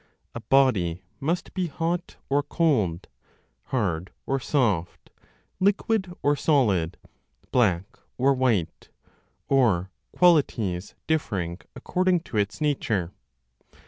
A body must be hot or cold, hard or soft, liquid or solid, black or white, or qualities differing according to its nature.